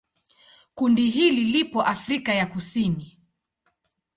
Kundi hili lipo Afrika ya Kusini.